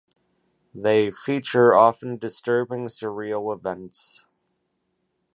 They feature often disturbing, surreal events.